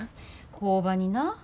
工場にな。